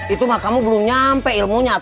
itu kamu belum nyampe ilmunya